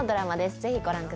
ぜひご覧ください。